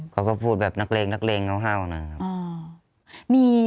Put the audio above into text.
เขาก็พูดแบบนักเลงเงานะครับ